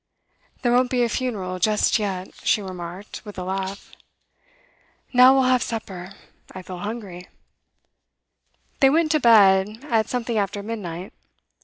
'There won't be a funeral just yet,' she remarked, with a laugh. 'Now we'll have supper; I feel hungry.' They went to bed at something after midnight.